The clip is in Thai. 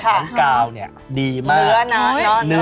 ทรัพย์อาจารย์ได้ไหม